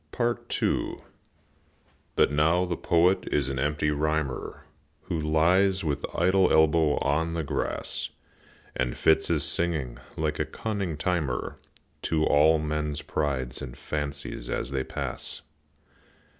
II. But now the Poet is an empty rhymer Who lies with idle elbow on the grass, And fits his singing, like a cunning timer, To all men's prides and fancies as they pass.